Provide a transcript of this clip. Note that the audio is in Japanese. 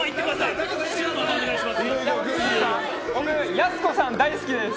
やす子さん、大好きです。